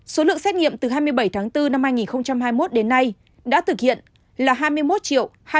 số lượng xét nghiệm từ hai mươi bảy tháng bốn năm hai nghìn hai mươi một đến nay đã thực hiện là hai mươi một hai trăm bốn mươi năm ba trăm bảy mươi ba mẫu